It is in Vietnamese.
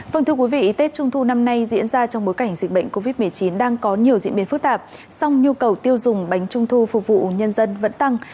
vâng thưa quý vị tết trung thu năm nay diễn ra trong bối cảnh dịch bệnh covid một mươi chín đang có nhiều diễn biến phức tạp song nhu cầu tiêu dùng bánh trung thu phục vụ nhân dân vẫn tăng